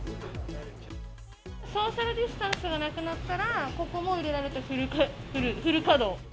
ソーシャルディスタンスがなくなったら、ここも入れられてフル稼働。